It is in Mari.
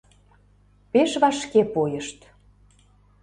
Пеш вашке пойышт.